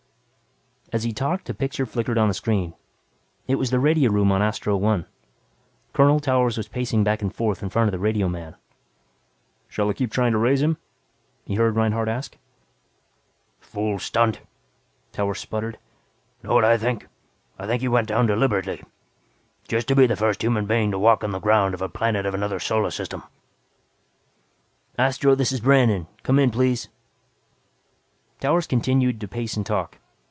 As he talked a picture flickered on the screen. It was the radio room on Astro One. Colonel Towers was pacing back and forth in front of the radioman. "Shall I keep trying to raise him?" he heard Reinhardt ask. "Damn fool stunt," Towers sputtered. "Know what I think? I think he went down deliberately. Just to be the first human being to walk the ground of a planet of another solar system." "Astro, this is Brandon. Come in please." Towers continued to pace and talk.